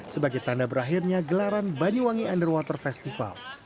sebagai tanda berakhirnya gelaran banyuwangi underwater festival